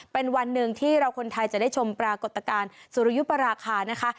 เป็นวันหนึ่งที่เราคนไทยจะได้ชมปรากฏการณ์สุริยุปราคานะคะ